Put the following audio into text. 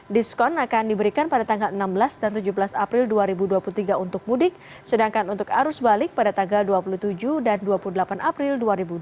diskon akan diberikan pada tanggal enam belas dan tujuh belas april dua ribu dua puluh tiga untuk mudik sedangkan untuk arus balik pada tanggal dua puluh tujuh dan dua puluh delapan april dua ribu dua puluh